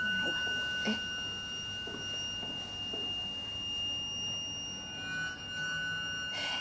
えっ？ええ！？